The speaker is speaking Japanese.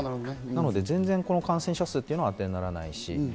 なので全然、この感染者数はあてにならない。